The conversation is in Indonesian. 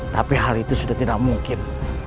tapi hal itu sudah tidak mungkin